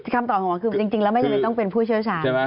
คำตอบของมันคือจริงแล้วไม่จำเป็นต้องเป็นผู้เชี่ยวชาญใช่ไหม